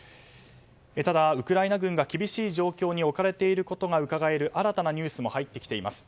ただ、ウクライナ軍が厳しい状況に置かれていることがうかがえる、新たなニュースも入ってきています。